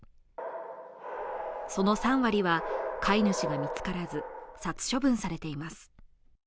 その３割は飼い主が見つからず殺処分されています。